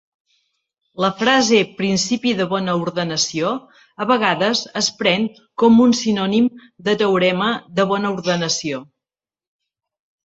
La frase "principi de bona ordenació" a vegades es pren com un sinònim de "teorema de bona ordenació".